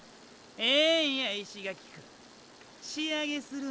ええんや石垣くん。